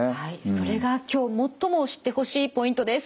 それが今日最も知ってほしいポイントです。